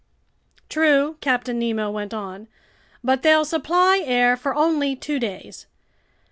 "True," Captain Nemo went on, "but they'll supply air for only two days.